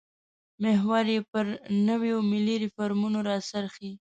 محور یې پر نویو ملي ریفورمونو راڅرخي.